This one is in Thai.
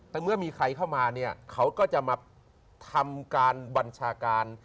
แต่เมื่อมีใครเข้ามาเนี่ยเขาก็จะมาทำการบัญชาการ